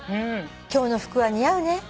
『今日の服は似合うね』」